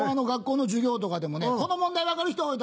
学校の授業とかでもね「この問題分かる人？」